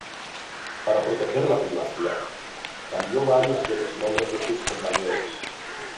Para proteger la privacidad, cambió varios de los nombres de sus compañeros.